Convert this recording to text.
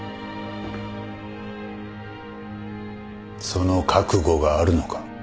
その覚悟があるのか？